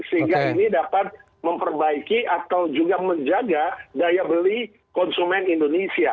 sehingga ini dapat memperbaiki atau juga menjaga daya beli konsumen indonesia